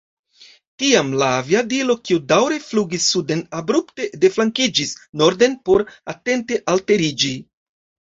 Tiam la aviadilo, kiu daŭre flugis suden, abrupte deflankiĝis norden por atente alteriĝi.